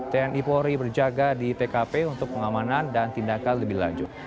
tni polri berjaga di tkp untuk pengamanan dan tindakan lebih lanjut